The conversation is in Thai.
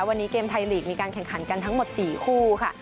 วันนี้เกมไทยลีกมีการแข่งขันกันทั้งหมด๔คู่ค่ะ